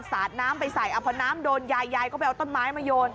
สาดน้ำไปใส่พอน้ำโดนยายยายก็ไปเอาต้นไม้มาโยน